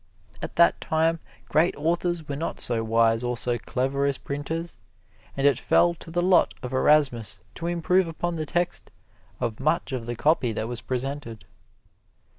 At that time great authors were not so wise or so clever as printers, and it fell to the lot of Erasmus to improve upon the text of much of the copy that was presented.